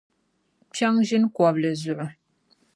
Kpiɔŋ ʒini kɔbili zuɣu.